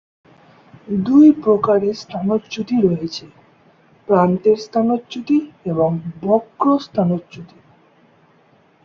দুই প্রকারের স্থানচ্যুতি রয়েছে, "প্রান্তের" স্থানচ্যুতি এবং বক্র স্থানচ্যুতি।